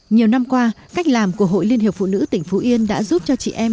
nhiều năm qua cách làm của hội liên hiệp phụ nữ tỉnh phú yên đã giúp cho chị em